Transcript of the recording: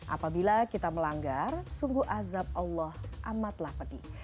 apabila kita melanggar sungguh azab allah amatlah pedih